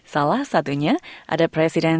salah satunya ada presiden